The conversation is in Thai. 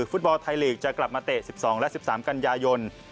ฟุตบอลไทยลีกจะกลับมาเตะ๑๒และ๑๓กันยายน